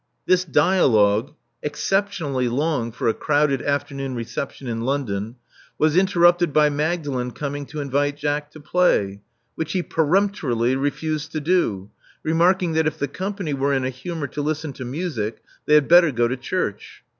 This dialogue, exceptionally long for a crowded afternoon reception in London, was interrupted by Magdalen coming to invite Jack to play, which he peremptorily refused to do, remarking that if the com pany were in a humor to listen to music, they had better go to church.